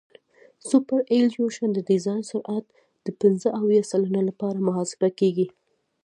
سوپرایلیویشن د ډیزاین سرعت د پنځه اویا سلنه لپاره محاسبه کیږي